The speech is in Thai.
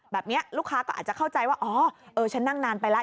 แบบนี้ลูกค้าก็อาจจะเข้าใจว่าอ๋อเออฉันนั่งนานไปแล้ว